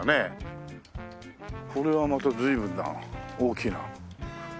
これはまた随分な大きな。